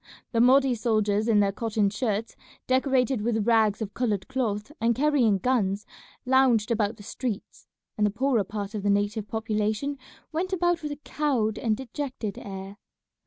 The Mahdi's soldiers in their cotton shirts, decorated with rags of coloured cloth, and carrying guns, lounged about the streets, and the poorer part of the native population went about with a cowed and dejected air.